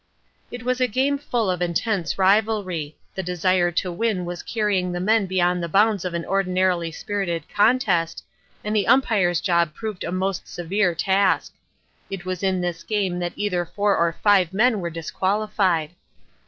It was a game full of intense rivalry. The desire to win was carrying the men beyond the bounds of an ordinarily spirited contest, and the Umpire's job proved a most severe task. It was in this game that either four or five men were disqualified.